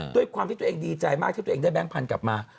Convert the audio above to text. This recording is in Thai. ด้วยความที่ตัวเองดีใจมากที่ตัวเองได้แก๊งพันธุ์กลับมา